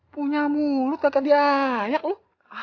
punya mulut gak kaya dia